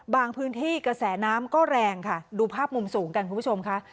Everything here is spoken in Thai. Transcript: พื้นที่กระแสน้ำก็แรงค่ะดูภาพมุมสูงกันคุณผู้ชมค่ะ